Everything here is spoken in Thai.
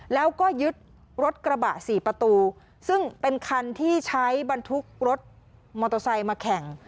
แล้วก็ยึดรถกระบะสี่ประตูซึ่งเป็นคันที่ใช้บรรทุกรถมอเตอร์ไซค์มาแข่ง